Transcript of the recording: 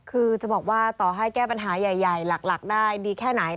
คือจะบอกว่าต่อให้แก้ปัญหาใหญ่หลักได้ดีแค่ไหน